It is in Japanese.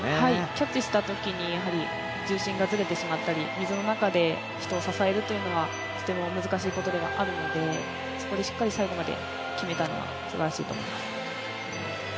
キャッチしたときに重心がずれてしまったり水の中で人を支えるというのはとても難しいことではあるので、そこでしっかり最後まで決めたのはすばらしいと思います。